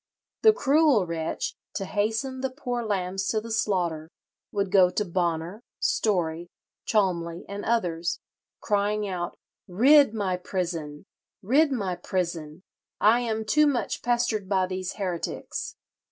The cruel wretch, to hasten the poor lambs to the slaughter, would go to Bonner, Story, Cholmley, and others, crying out, 'Rid my prison! rid my prison! I am too much pestered by these heretics.'"